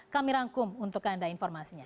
kami rangkum untuk anda informasinya